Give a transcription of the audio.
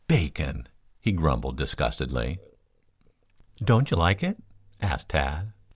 "Bacon!" he grumbled disgustedly. "Don't you like it?" asked Tad.